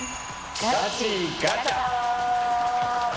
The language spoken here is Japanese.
ガチガチャ。